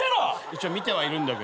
一応見てはいるんだけど。